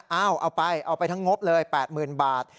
เอาไปเอาไปทั้งงบเลย๘๐๐๐บาท